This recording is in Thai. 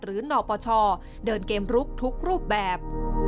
นปชเดินเกมลุกทุกรูปแบบ